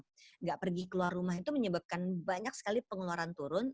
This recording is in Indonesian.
tidak pergi keluar rumah itu menyebabkan banyak sekali pengeluaran turun